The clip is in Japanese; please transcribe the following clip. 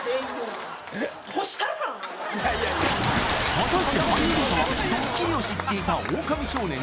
果たしてハリウリサはドッキリを知っていたオオカミ少年？